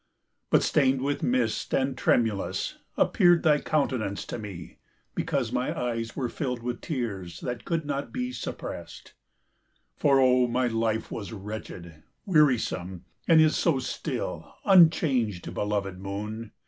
But stained with mist, and tremulous, appeared Thy countenance to me, because my eyes Were filled with tears, that could not be suppressed; For, oh, my life was wretched, wearisome, And is so still, unchanged, belovèd moon!